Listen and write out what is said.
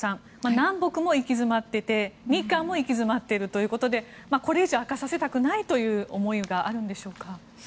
南北も行き詰まっていて日韓も行き詰まっていてこれ以上悪化させたくない思いがあるんでしょうか。